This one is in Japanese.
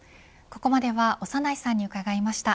ここまでは長内さんに伺いました。